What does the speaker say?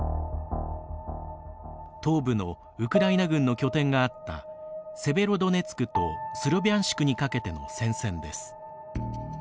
東部のウクライナ軍の拠点があったセベロドネツクとスロビャンシクにかけての戦線です。